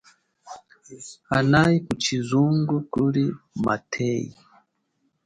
Hanayi kushizungu kuli mathenyi.